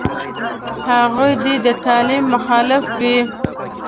هغوی دې د تعلیم مخالف وي.